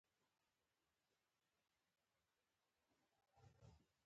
ذهني ډاډ يې ورکړ.